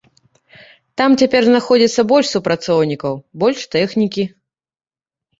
Там цяпер знаходзіцца больш супрацоўнікаў, больш тэхнікі.